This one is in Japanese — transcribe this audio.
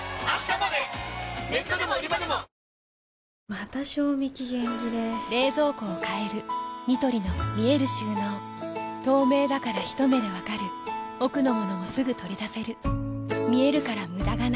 また賞味期限切れ冷蔵庫を変えるニトリの見える収納透明だからひと目で分かる奥の物もすぐ取り出せる見えるから無駄がないよし。